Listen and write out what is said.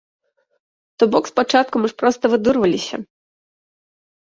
То бок спачатку мы ж проста выдурваліся.